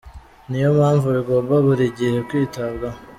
Ni yo mpamvu bigomba buri gihe kwitabwaho."